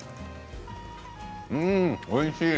うんおいしい。